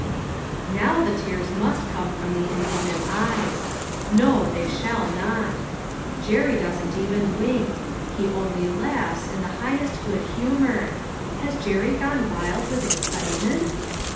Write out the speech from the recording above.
Now the tears must come from the indignant eyes. No, they shall not. Jerry doesn't even wink. He only laughs, in the highest good humor. Has Jerry gone wild with excitement